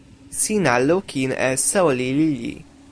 sina lukin e soweli lili.